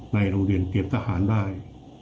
ในโรงเรียนเตรียมทหารได้